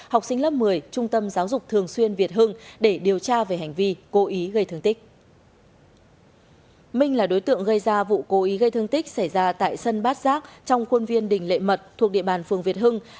học sinh lớp một mươi trung tâm giáo dục thường xuyên việt hưng để điều tra về hành vi cố ý gây thương tích